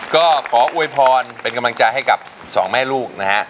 ก็ขออวยพรเป็นกำลังใจให้กับสองแม่ลูกนะฮะ